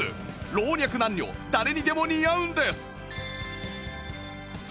老若男女誰にでも似合うんです！